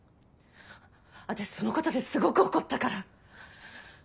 私そのことですごく怒ったから。